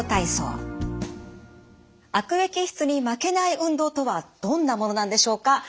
悪液質に負けない運動とはどんなものなんでしょうか。